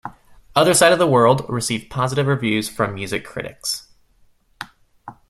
"Other Side of the World" received positive reviews from music critics.